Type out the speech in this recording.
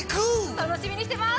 楽しみにしています！